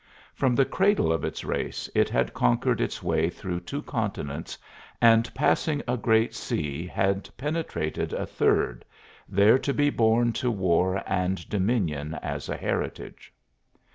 From the cradle of its race it had conquered its way through two continents and passing a great sea had penetrated a third, there to be born to war and dominion as a heritage.